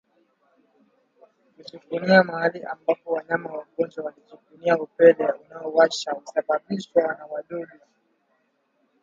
kujikunia mahali ambapo wanyama wagonjwa walijikunia Upele unaowasha husababishwa na wadudu wanaopenyeza